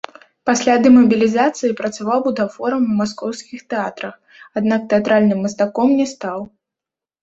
Пасля дэмабілізацыі працаваў бутафорам у маскоўскіх тэатрах, аднак тэатральным мастаком не стаў.